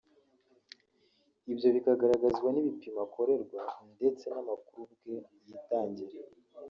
ibyo bikagaragazwa n’ibipimo akorerwa ndetse n’amakuru ubwe yitangira